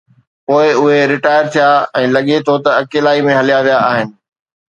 پوءِ اهي ريٽائر ٿيا ۽ لڳي ٿو ته اڪيلائي ۾ هليا ويا آهن.